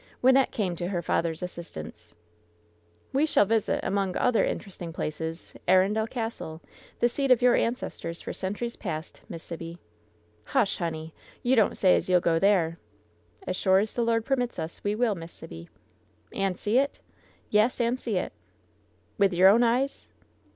Wynnette came to her father's assistance. 166 LOVE'S BITTEREST CUP ^ We shall visit, among other interesting places, Arun del Castle, the seat of your ancestors for centuries past, Miss Sibby/' "Hush, honey ! You don't say as you'll go there ?" "As sure as the Lord permits us, we will, Miss Sibby." "And see it?" "Yes, and see it." With your own eyes